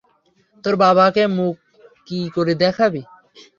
তোর বাবাকে মুখ কি করে দেখাবি?